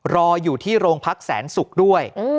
รออยู่ที่โรงพักแสนศุกร์ด้วย